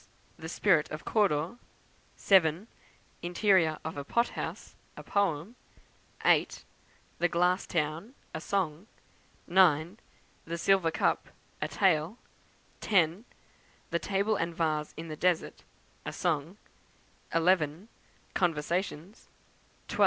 The Spirit of Cawdor; 7. Interior of a Pothouse, a Poem; 8. The Glass Town, a Song; 9. The Silver Cup, a Tale; 10. The Table and Vase in the Desert, a Song; 11. Conversations; 12.